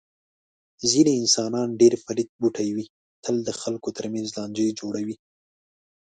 ځنې انسانان ډېر پلیت بوټی وي. تل د خلکو تر منځ لانجې جوړوي.